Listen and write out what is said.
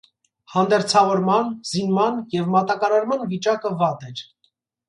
Հանդերձավորման, զինման և մատակարարման վիճակը վատ էր։